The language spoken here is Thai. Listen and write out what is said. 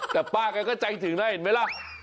แต่ป้ากันก็ใจถึงนะทิ้งไหมละ